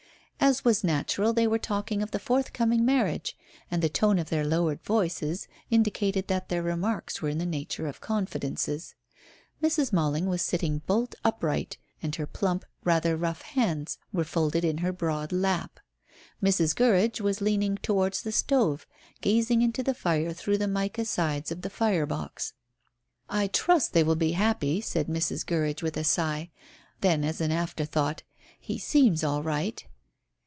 As was natural, they were talking of the forthcoming marriage, and the tone of their lowered voices indicated that their remarks were in the nature of confidences. Mrs. Malling was sitting bolt upright, and her plump, rather rough hands were folded in her broad lap. Mrs. Gurridge was leaning towards the stove, gazing into the fire through the mica sides of the fire box. "I trust they will be happy," said Mrs. Gurridge, with a sigh. Then as an afterthought: "He seems all right."